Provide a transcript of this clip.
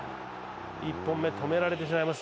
１本目止められてしまします。